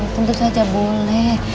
tentu saja boleh